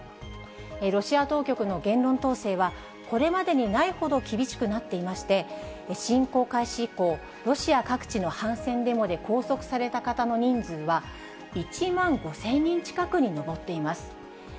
ロシア当局の言論統制は、これまでにないほど厳しくなっていまして、侵攻開始以降、ロシア各地の反戦デモで拘束された方の人数は、１万５０００人近くに上っています。